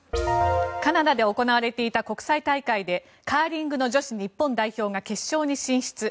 カナダで行われた国際大会でカーリング女子日本代表が決勝に進出。